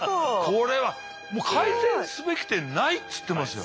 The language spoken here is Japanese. これは改善すべき点ないって言ってますよ。